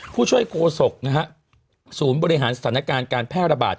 ผู้ช่วยโคศกนะฮะศูนย์บริหารสถานการณ์การแพร่ระบาด